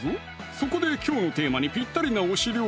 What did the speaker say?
そこできょうのテーマにぴったりな推し料理